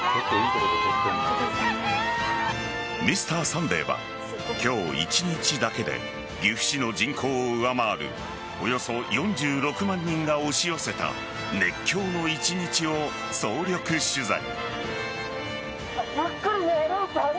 「Ｍｒ．サンデー」は今日一日だけで岐阜市の人口を上回るおよそ４６万人が押し寄せた熱狂の一日を総力取材。